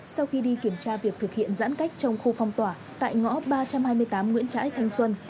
sau khi đi kiểm tra việc thực hiện giãn cách trong khu phong tỏa tại ngõ ba trăm hai mươi tám nguyễn trãi thanh xuân